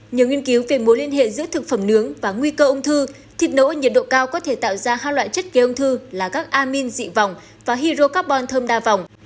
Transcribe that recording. nhờ nghiên cứu về mối liên hệ giữa thực phẩm nướng và nguy cơ ung thư thịt nỡ nhiệt độ cao có thể tạo ra hai loại chất gây ung thư là các amin dị vòng và hydro carbon thơm đa vòng